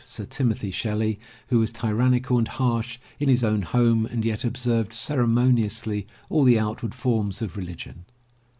Sir Timothy Shelley, who was tyrannical and harsh in his own home and yet observed ceremoniously all the outward forms of reli gion.